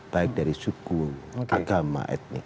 baik dari suku agama etnik